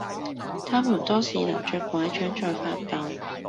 她們多是拿著柺杖在發抖